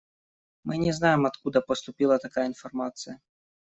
Мы не знаем, откуда поступила такая информация.